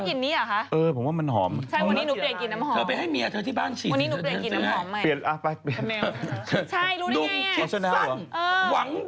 กลิ่นน้ำหอมน่ะชอบกลิ่นนี้หรอคะใครว่ามันหอม